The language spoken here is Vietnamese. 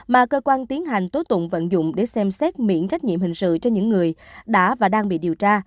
mà cơ quan tiến hành tố tụng vận dụng để xem xét miễn trách nhiệm hình sự cho những người đã và đang bị điều tra